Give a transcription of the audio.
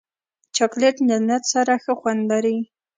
چاکلېټ له نټ سره ښه خوند لري.